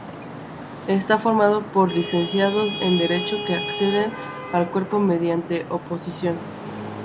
Está formado por licenciados en Derecho que acceden al Cuerpo mediante oposición.